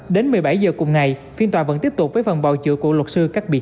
đến một mươi bảy h cùng ngày phiên tòa vẫn tiếp tục với phần bầu chữa của luật sư các bị cáo